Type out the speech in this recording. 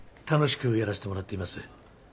楽しくやらせてもらっています。